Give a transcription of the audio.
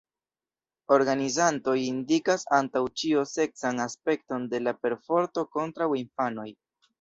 Organizantoj indikas antaŭ ĉio seksan aspekton de la perforto kontraŭ infanoj.